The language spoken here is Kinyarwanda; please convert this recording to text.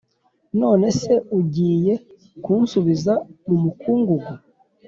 none se ugiye kunsubiza mu mukungugu’